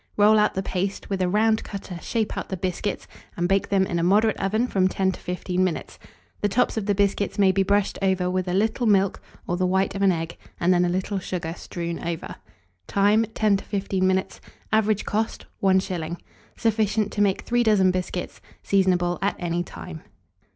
Roll out the paste, with a round cutter shape out the biscuits, and bake them in a moderate oven from 10 to 15 minutes. The tops of the biscuits may be brushed over with a little milk or the white of an egg, and then a little sugar strewn over. Time. 10 to 15 minutes. Average cost, 1s. Sufficient to make 3 dozen biscuits. Seasonable at any time.